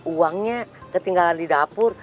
uangnya ketinggalan di dapur